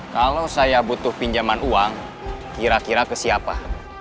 kalau saya butuh pinjaman uang kira kira ke siapa